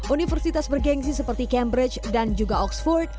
universitas bergensi seperti cambridge dan juga oxford